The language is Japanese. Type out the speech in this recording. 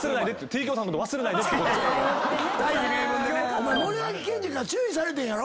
お前森脇健児から注意されてんやろ？